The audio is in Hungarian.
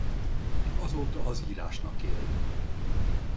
Azóta az írásnak él.